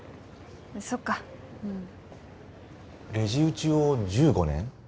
そっかレジ打ちを１５年？